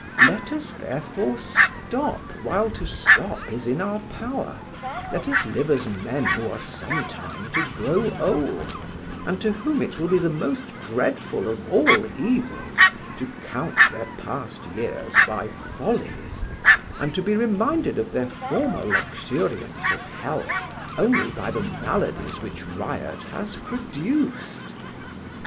Let us therefore stop while to stop is in our power: let us live as men who are some time to grow old, and to whom it will be the most dreadful of all evils to count their past years by follies, and to be reminded of their former luxuriance of health only by the maladies which riot has produced."